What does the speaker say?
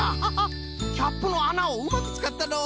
キャップのあなをうまくつかったのう。